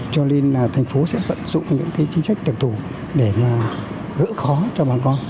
cho nên thành phố sẽ vận dụng những chính sách đặc tục để gỡ khó cho bà con